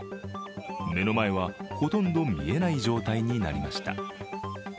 目の前は、ほとんど見えない状態になりました。